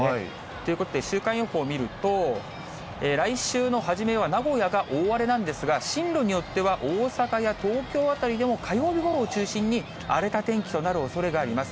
ということで、週間予報を見ると、来週の初めは名古屋が大荒れなんですが、進路によっては、大阪や東京辺りでも、火曜日ごろを中心に荒れた天気となるおそれがあります。